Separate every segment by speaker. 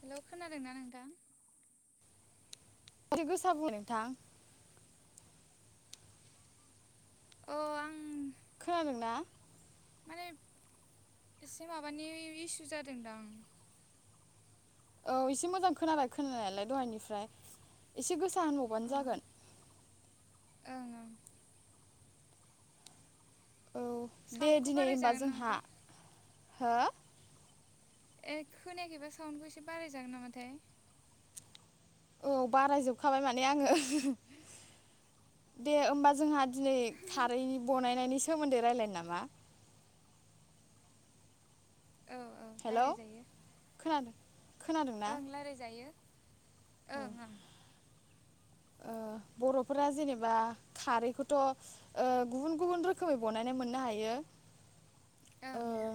Speaker 1: Hello खोनादों ना नों थां
Speaker 2: एसे गोसा बुंलाय नोंथां।
Speaker 1: अ आं
Speaker 2: खोनादों ना?
Speaker 1: मानो एब एसे माबानि इसु जादोंदां
Speaker 2: औ एसे मोजां खोनाबाय खोनानायालाय दहायनिफ्राय एसे गोसा होनबावबानो
Speaker 1: ओं
Speaker 2: जागोन
Speaker 1: ओं ओं
Speaker 2: औ दे
Speaker 1: साउन्डखौ
Speaker 2: दिनै होनबा
Speaker 1: बारायजागोन
Speaker 2: जोंहा
Speaker 1: नामाथाय
Speaker 2: हो
Speaker 1: ए खोनयाखैबा साउन्डखौ एसे बाराय जागोन नामाथाय
Speaker 2: औ बारायजोबखाबाय माने आङो दे होमबा जोंहा दिनै खारैनि बनायनायनि सोमोन्दै रायजलायनो नामा
Speaker 1: औ औ
Speaker 2: हेल'
Speaker 1: रायलायजायो
Speaker 2: खोनादों खोनादोंना
Speaker 1: ओं रायलायजायो
Speaker 2: औ
Speaker 1: ओं ओं
Speaker 2: ओ बर'फोरा जेनेबा खारैखौथ' गुबुन गुबुन रोखोमै बनायनाय मोननो हायो ओ
Speaker 1: ओं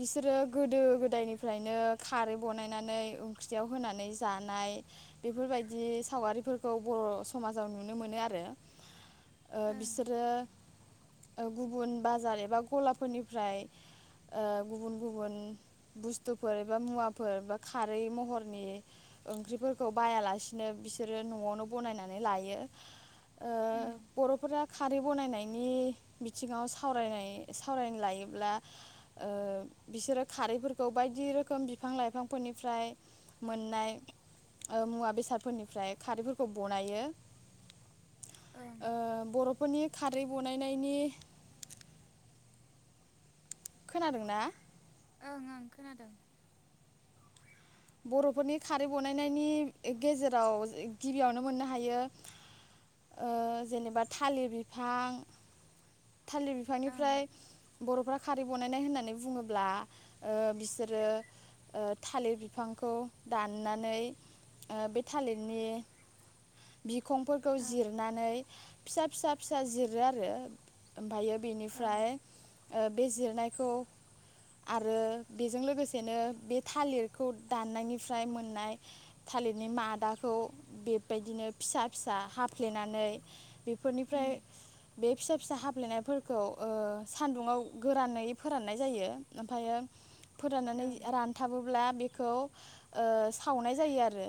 Speaker 2: बिसोरो गोदो गोदायनिफ्रायनो खारै बनायनानै ओंख्रियाव होनानै जानाय बेफोरबायदि सावगारिफोरखौ खौ बर समाजाव नुनो मोनो आरो ओ
Speaker 1: ओं
Speaker 2: बिसोरो ओ गुबुन बाजार एबा गलाफोरनिफ्राय गुबुन-गुबुन बुस्थुफोर एबा मुवाफोर बा खारै महरनि ओंख्रिफोरखौ बायालासिनो बिसोरो नआवनो बनायनानै लायो ओ
Speaker 1: उम
Speaker 2: बरफोरा खारै बनायनायनि बिथिंङाव सावरायनाय सावरायनो लायोब्ला ओ बिसोरो खारैफोरखौ बायदि रोखोम बिफां लाइफांफोरनिफ्राय मोननाय मुवा बेसादफोरनिफ्राय। खारैफोरखौ बनायो
Speaker 1: ओं
Speaker 2: ओ बरफोरनि खारै बनायनायनि खोनादोंना
Speaker 1: ओं-ओं खोनादों
Speaker 2: बरफोरनि खारै बनायनायनि गेजेराव गिबियावनो मोननो हायो ओ जेनेबा थालिर बिफां थालिर
Speaker 1: ओं
Speaker 2: बिफांनिफ्राय बरफ्रा खारै बनायनाय होननानै बुंङोब्ला ओ बिसोरो थालिर बिफांखौ दाननानै ओ बे थालिरनि बिखंफोरखौ
Speaker 1: ओं
Speaker 2: जिरनानै फिसा-फिसा-फिसा जिरो आरो ओमफ्रायो
Speaker 1: ओं
Speaker 2: बेनिफ्राय ओ‌ बे जिरनायखौ आरो बेजों लोगोसेनो बे थालिर खौ दाननायनिफ्राय मोननाय थालिरनि मादाखौ बेबायदिनो फिसा-फिसा हाफ्लेनानै फोरनिफ्राय
Speaker 1: उम
Speaker 2: बे फिसा-फिसा हफ्लेनायफोरखौ ओ सान्दुंङाव गोरानै फोराननाय जायो ओमफायो फोराननानै
Speaker 1: ओं
Speaker 2: रानथाबोब्ला बे खौ ओ सावनाय जायो आरो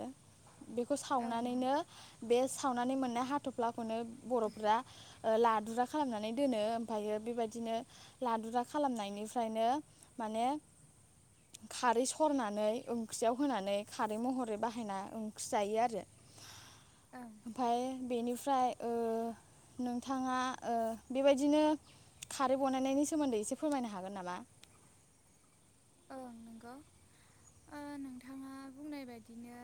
Speaker 2: बेखौ
Speaker 1: ओं ओं
Speaker 2: सावनानैनो बे सावनानै मोननाय हाथफ्ला खौनो बर'फ्रा ओ ला दुरा खालामनानै दोनो ओमफायो बेबायदिनो लादुरा खालामनायनिफ्रायनो माने खारै सरनानै ओंख्रियाव होनानै खारै महरै बाहायना ओंख्रि जायो आरो।
Speaker 1: ओं
Speaker 2: ओमफाय बेनि फ्राय ओ नोंथांङा ओ बेबायदिनो खारै बनायनायनि सोमोन्दै एसे फोरमायनो हागोन नामा?
Speaker 1: ओं नोंगौ ओ नोंथांङा बुंनाय बायदिनो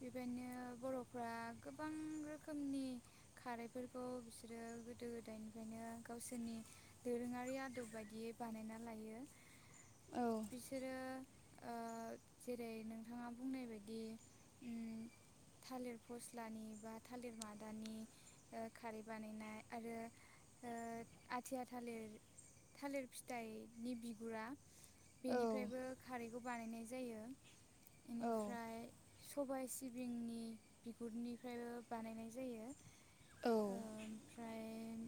Speaker 1: बेबायनो बर'फ्रा गोबां रोखोमनि खारैफोरखौ बिसोरो गोदो गोदायनिफ्रायनो गावसोरनि दोरोंङारि आदब बायदियै बानायना लायो।
Speaker 2: औ
Speaker 1: बिसोरो ओ जेरै नोंथांङा बुंनाय बायदि उम थालिर फस्लानि बा थालिर मादानि ओ खारै बानायनाय आरो ओ आथिया थालिर थालिर फिथाइनि बिगुरा
Speaker 2: औ
Speaker 1: बेनिफ्रायबो खारैखौ बानायनाय जायो
Speaker 2: औ
Speaker 1: बेनिफ्राय सबाय सिबिंनि बिगुरनिफ्रायबो बानायनाय जायो। ओमफ्राय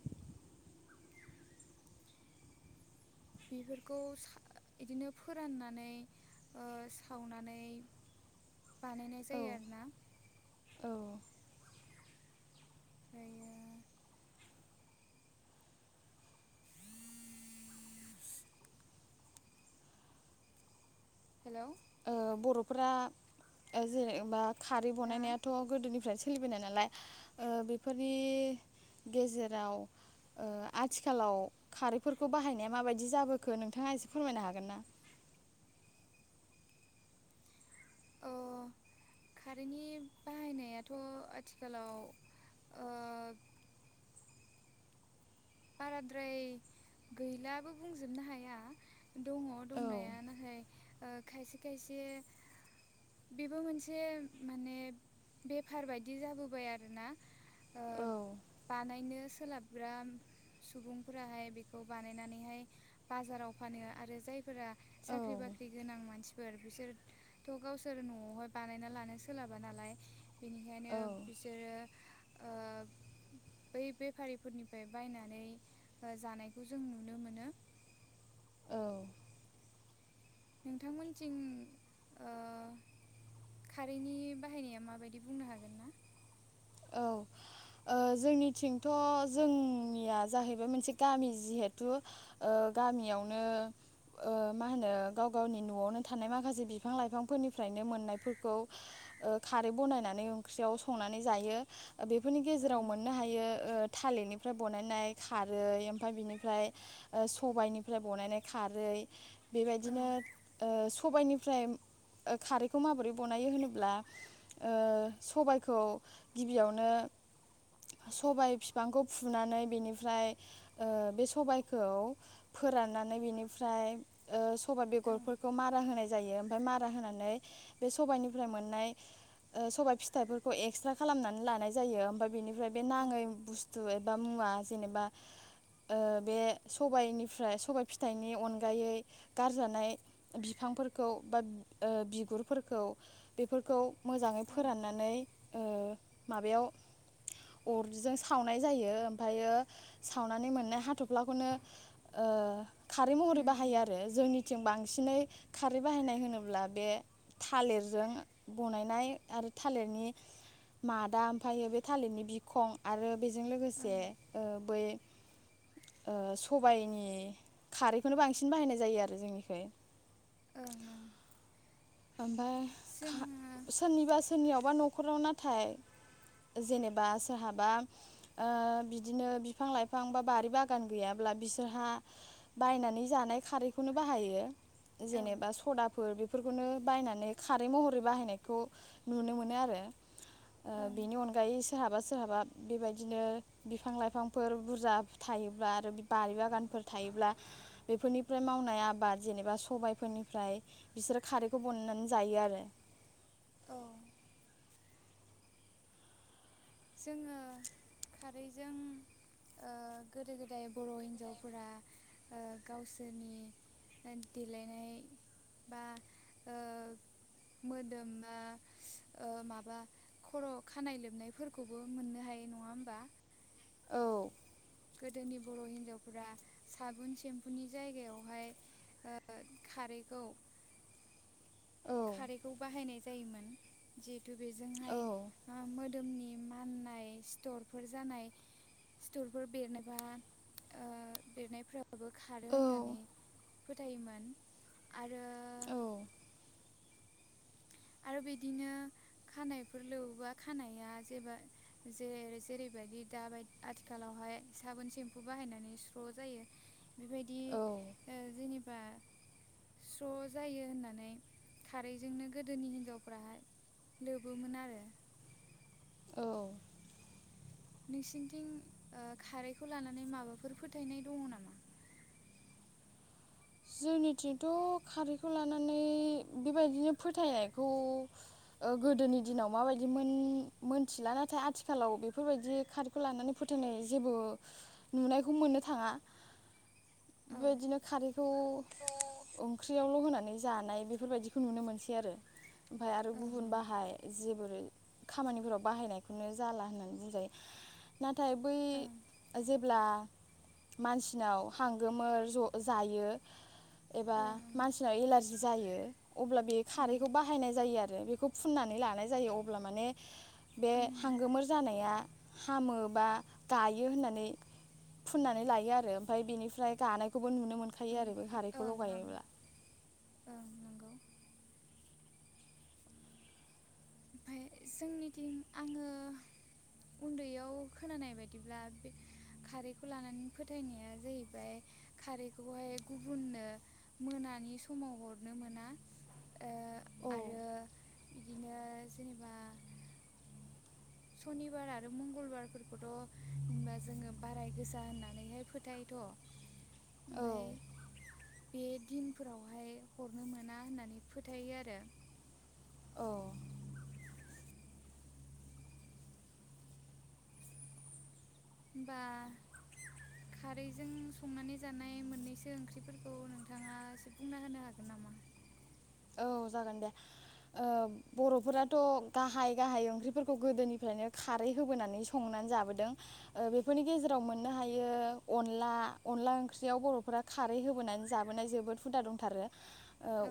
Speaker 1: बेफोरखौ साव इदिनो फोराननानै ओ सावनानै बानायनाय
Speaker 2: औ
Speaker 1: जायो आरोना
Speaker 2: औ
Speaker 1: फ्रायो हेलौ
Speaker 2: ओ बर'फोरा जेनेबा खारै
Speaker 1: नोंथाङा
Speaker 2: बनायनायाथ' गोदोनिफ्रायसो सोलिबोनाय नालाय ओ बेफोरनि गेजेराव ओ आथिखालाव खारैफोरखौ बाहायनाया माबायदि जाबोखो नोंथाङा एसे फोरमायनो हागोन ना?
Speaker 1: अ खारैनि बाहायनायाथ' आथिखालाव ओ बाराद्राय गैलाबो बुंजोबनो हाया। दङ
Speaker 2: औ
Speaker 1: दंनाया नाथाय ओ खायसे खायसे बेबो मोनसे माने बेफार बायदि जाबोबाय आरोना ओ
Speaker 2: औ
Speaker 1: बानायनो सोलाबग्रा सुबुंफोराहाय बेखौ बानायनानैहाय बाजाराव फानो आरो जायफोरा साख्रि बाख्रि गोनां मानसि फोर बिसोरथ' गावसोर न'आवहाय बानायना लानो सोलाबा नालाय बेनिखायनो
Speaker 2: औ
Speaker 1: बिसोरो ओ बै बेफारिफोरनिफ्राय बायनानै ओ जानायखौ जों नुनो मोनो।
Speaker 2: औ
Speaker 1: नोंथांमोनथिं ओ खारैनि बाहायनाया माबायदि बुंनो हागोन ना?
Speaker 2: औ ओ जोंनिथिंथ' जोंनिया जाहैबाय मोनसे गामि जिहेथु ओ गामियावनो ओ मा होनो गाव गावनि न'आवनो थानाय माखासे बिफां लाइफांफोरनिफ्रायनो मोननायफोरखौ ओ खारै बनायनानै ओंख्रियाव संनानै जायो। बेफोरनि गेजेराव मोननो हायो ओ थालिरनिफ्राय बनायनाय खारै ओमफ्राय बिनिफ्राय ओ सबाइनिफ्राय बानायनाय खारै
Speaker 1: औ
Speaker 2: बेबायदिनो ओ सबाइनिफ्राय ओ खारैखौ माबोरै बनायो होनोब्ला ओ सबायखौ गिबियावनो सबाय फिफांखौ फुनानै बेनिफ्राय ओ बे सबायखौ फोराननानै बेनिफ्राय ओ सबाइ
Speaker 1: ओं
Speaker 2: बेगरफोरखौ मारा होनाय जायो ओमफ्राय मारा होनानै बे सबाइनिफ्राय मोननाय ओ सबाइ फिथाइफोरखौ एक्सट्रा खालामनानै लानाय जायो ओमफ्राय बेनिफ्राय बे
Speaker 1: औ
Speaker 2: नाङै बुस्थु एबा मुवा जेनेबा ओ बे सबायनिफ्राय सबाय फिथाइनि अनगायै गारजानाय बिफांफोरखौ बा ओ बिगुरफोरखौ बेफोरखौ मोजाङै
Speaker 1: ओं
Speaker 2: फोराननानै ओ माबायाव अरजों सावनाय जायो ओमफ्रायो सावनानै मोननाय हाथ'फ्लाखौनो ओ खारै महरै
Speaker 1: उम
Speaker 2: बाहायो आरो जोंनिथिं बां सिनै खारै बाहायनाय होनोब्ला बे थालिरजों बनायनाय आरो थालिरनि मादा ओमफ्रायायो बे थालिरनि बिखं आरो बेजों
Speaker 1: उम
Speaker 2: लोगोसे
Speaker 1: ओं
Speaker 2: ओ बै ओ सबायनि खारैखौनो बांसिन बाहायनाय जायो आरो जोंनिखै।
Speaker 1: ओं ओं
Speaker 2: ओमफ्राय खा
Speaker 1: जोङो
Speaker 2: सोरनिबा सोरनियाव बा न'खराव नाथाय जेनेबा सोरहाबा ओ बिदिनो बिफां लाइफां बा बारि बागान गैयाब्ला बिसोरहा बायनानै जानाय खारैखौनो बाहायो।
Speaker 1: औ
Speaker 2: जेनेबा सदाफोर बे खौनो बायनानै खारै महरै बाहायनायखौ नुनो मोनो आरो। ओ
Speaker 1: ओं
Speaker 2: बिनि अनगायै सोहाबा सो सोरहाबा बेबायदिनो बिफां लाइफांफोर बुरजा थायोब्ला आरो बारि बागानफोर थायोब्ला बेफोरनिफ्राय मावनाय आबाद जेनेबा सबायाइफोरनिफ्राय बिसोर खारैखौ बनायनानै जायो आरो।
Speaker 1: औ जोंङो खारैजों ओ गोदो गोदाय बर' हिन्जावफोरा ओ गावसोरनि देलायनाय बा ओ मोदोम बा ओ माबा खर' खानाय लोबनाय फोर खौबो मोननो हायो नङा होमबा
Speaker 2: औ
Speaker 1: गोदोनि बर' हिन्जावफोरा साबुन सेम्फुनि जायगायावहाय ओ खारैखौ
Speaker 2: औ
Speaker 1: खारैखौ बाहायनाय जायोमोन जि हेथु
Speaker 2: औ
Speaker 1: बेजोंहाय ओ मो दोमनि माननाय सिथरफोर जानाय सिथरफोर बेरनोबा बेरनायफ्राबो खारो होननानै
Speaker 2: औ
Speaker 1: फोथायोमोन आरो
Speaker 2: औ
Speaker 1: आरो बिदिनो खानायफोर लोबोबा खानाया जेबा जेरै जेरैबायदि दाबाय आथिखालावहाय साबोन सेम्फु बाहायनानै स्र' जायो बेबायदि
Speaker 2: औ
Speaker 1: ओ जोंनि बा स्र' जायो होननानै खारै जोंनो गोदोनि हिनजावफ्राहाय लोबोमोन आरो।
Speaker 2: औ
Speaker 1: नोंसिनिथिं ओ खारैखौ लानानै माबाफोर फोथायनाय दंङ नामा।
Speaker 2: जोंनिथिंथ' खारैखौ लानानै बेबायदिनो फोथायनायखौ ओ गोदोनि दिनाव माबायदि मोनथिला नाथाय आथिखालाव बेफोरबायदि खारैखौ लानानै फोथायनाय जेबो नुनायखौ मोननो थाङा
Speaker 1: औ
Speaker 2: बेबायदिनो खारै खौ ओंख्रियावल' होनानै जानाय बेफोरबायदिखौ नुनो मोनसै आरो। ओमफाय आरो
Speaker 1: ओं
Speaker 2: गुबुन बाहाय जे ओरै खामानिफोराव बाहायनायखौनो जाला होननानै बुंजायो ना थाय बै
Speaker 1: ओं
Speaker 2: जेब्ला मानसिनाव हांगोमोर ज' जा यो एबा
Speaker 1: ओं ओं
Speaker 2: मानसिनाव एलारजि जायो अब्ला बे
Speaker 1: उम
Speaker 2: खारैखौ बाहायनाय जायो आरो बेखौ फुननानै लानाय जायो अब्ला माने बे
Speaker 1: उम
Speaker 2: हांगोमोर जानाया हामो बा गायो होननानै फुननानै लायो आरो ओमफाय बेनिफ्राय गानायखौबो नुनो मोनो। थायो
Speaker 1: ओं
Speaker 2: आरो बे खारैखौ
Speaker 1: ओं ओं
Speaker 2: लगायोब्ला
Speaker 1: ओं नंगौ ओमफाय जोंनिथिं आङो उन्दैयाव खोनानाय बायदिब्ला बे खारैखौ लानानै फोथायनाया जाहैबाय खारैखौहाय गुबुननो मोनानि समाव हरनो मोना। ओ
Speaker 2: औ
Speaker 1: आरो बिदिनो जेनेबा सनिबार आरो मंगलबारफोरखौथ' जेनबा जोङो बाराय गोसा होननानैहाय फोथायोथ'
Speaker 2: औ
Speaker 1: ओमफ्राय बे दिनफोरावहाय हरनो मोना होननानै फोथायो आरो
Speaker 2: औ
Speaker 1: बा खारैजों संनानै जानाय मोननैसो ओंख्रिफोरखौ नोंथाङा एसे बुंना होनो हागोन नामा?
Speaker 2: औ जागोन दे ओ बर'फोराथ' गाहाय गाहाय ओंख्रिफोरखौ गोदोनिफ्रायनो खारै होबोनानै संनानै जाबोदों ओ बेफोरनि गेजेराव मोननो हायो अनला अनला ओंख्रियाव बर'फोरा खारै होबोनानै जाबोनाय जोबोद हुदा दंथारो।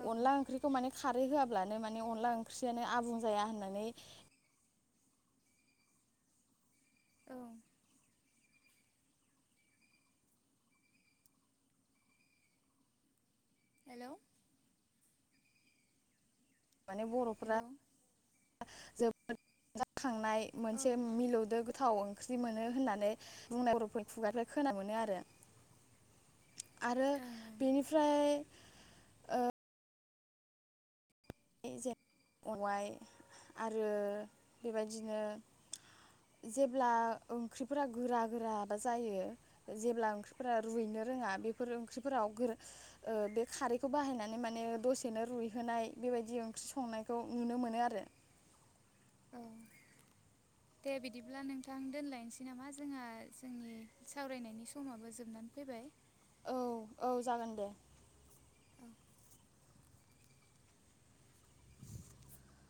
Speaker 1: औ
Speaker 2: अनला ओं खारै होआब्लानो माने अनदला ओंख्रियानो आबुं जाया होननानै
Speaker 1: औ हेलौ
Speaker 2: माने बर'फ्रा
Speaker 1: हेलौ
Speaker 2: जोब [unintelligible] थांनाय
Speaker 1: औ
Speaker 2: मोनसे
Speaker 1: ओं
Speaker 2: मिलौदो गोथाव ओंख्रि मोनो होननानै बुंनाय बर'फोरनि खुगानिफ्राय खोनानो मोनो आरो आरो
Speaker 1: ओं
Speaker 2: बेनिफ्राय ओ मेवाइ आरो बेबायदिनो जेब्ला ओंख्रिफोरा गोरा गोराबा जायो जेब्ला ओंख्रिफोरा रुइनो रोङा बेफोर ओंख्रिफोराव बे खारैखौ बाहायनानै माने दसेनो रुइहोनाय बेबायदि ओंख्रि संनायखौ नुनो मोनो आरो
Speaker 1: औ दे बिदिब्ला नोंथां दोनलायनोसै नामा जोंहा जोंनि सावरायनायनि समाबो जोबनानै फैबाय
Speaker 2: औ औ जागोन दे
Speaker 1: [inaudible]